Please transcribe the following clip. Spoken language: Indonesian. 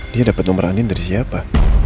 dia dapet nomor andin dari siapa